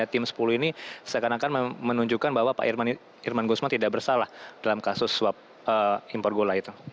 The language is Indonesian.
tim sepuluh ini seakan akan menunjukkan bahwa pak irman guzman tidak bersalah dalam kasus suap impor gula itu